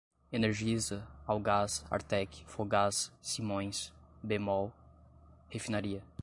Energisa, Algás, Artek, Fogás, Simões, Bemol, Refinaria